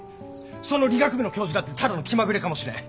その理学部の教授だってただの気まぐれかもしれん。